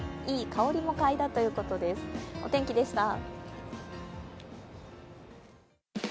いい香りもかいだということです。